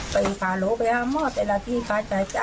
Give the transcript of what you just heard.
ไปพาลูกไปหาหม้อแต่ละทีก็จ่ายก็มา